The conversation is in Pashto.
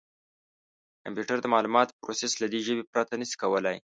کمپیوټر د معلوماتو پروسس له دې ژبې پرته نه شي کولای.